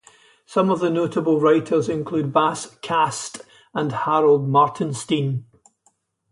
Some of the notable writers include Bas Kast and Harald Martenstein.